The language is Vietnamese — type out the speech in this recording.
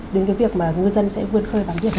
đến cái việc mà ngư dân sẽ vươn khơi bằng việc